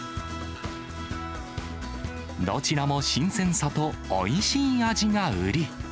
どちらも新鮮さとおいしい味が売り。